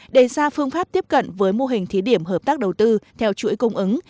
đề ra phương pháp tiếp cận với mô hình thí điểm hợp tác đầu tư theo chuỗi cung ứng